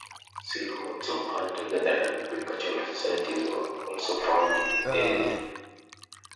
Silhouets of Hunter-Gatherer and Agricultural societies were also found in the area.